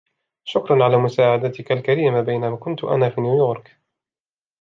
شكراً على مساعدتكِ الكريمة بينما كنت أنا في نيويورك.